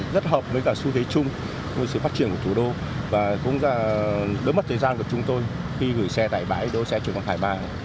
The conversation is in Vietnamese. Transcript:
rất hợp với cả xu thế chung của sự phát triển của thủ đô và cũng là đối mặt thời gian của chúng tôi khi gửi xe tại bãi đô xe trần quang khải ba